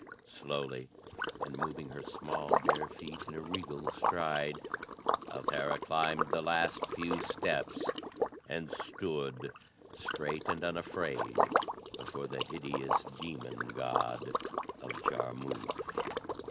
Slowly, and moving her small bare feet in a regal stride, Altara climbed the last few steps and stood straight and unafraid before the hideous demon god of Jarmuth.